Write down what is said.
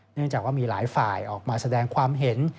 เนื่องจากว่ามีหลายฝ่ายออกมาแสดงความเห็น